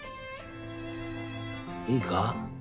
いいか？